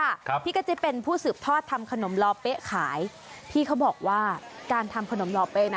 ครับพี่กะจิ๊เป็นผู้สืบทอดทำขนมลอเป๊ะขายพี่เขาบอกว่าการทำขนมลอเป๊ะนะ